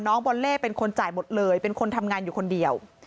บอลเล่เป็นคนจ่ายหมดเลยเป็นคนทำงานอยู่คนเดียว